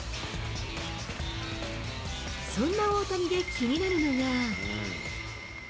そんな大谷で気になるのが。